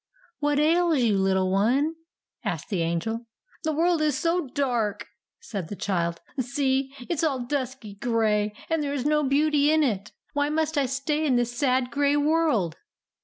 "What ails you, little one?" asked the Angel. "The world is so dark!" said the child. "See, it is all dusky gray, and there is no beauty in it. Why must I stay in this sad, gray world?"